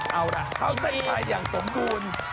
เอาล่ะเข้าเส้นชัยอย่างสมบูรณ์